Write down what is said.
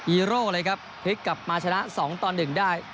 ีโร่เลยครับพลิกกลับมาชนะ๒ต่อ๑ได้